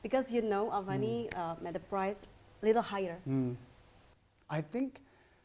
karena avani memiliki harga yang sedikit lebih tinggi